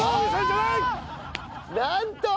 なんと！